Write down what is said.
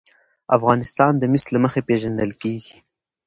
افغانستان د مس له مخې پېژندل کېږي.